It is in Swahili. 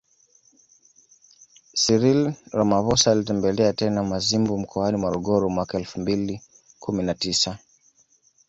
Cyril Ramaphosa alitembelea tena Mazimbu mkoani Morogoro mwaka elfu mbili kumi na tisa